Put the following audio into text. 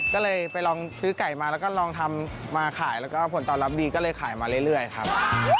ก็เลยไปลองซื้อไก่มาแล้วก็ลองทำมาขายแล้วก็ผลตอบรับดีก็เลยขายมาเรื่อยครับ